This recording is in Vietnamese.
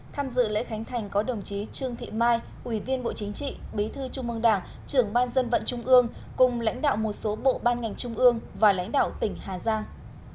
tham dự lễ khánh thành có đồng chí trương thị mai ủy viên bộ chính trị bí thư trung mương đảng trưởng ban dân vận trung ương cùng lãnh đạo một số bộ ban ngành trung ương và lãnh đạo tỉnh hà giang